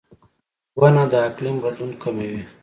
• ونه د اقلیم بدلون کموي.